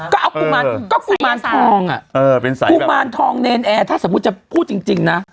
ก็เอากุมารทองอ่ะกุมารทองในแอนแอร์ถ้าสมมุติจะพูดจริงนะ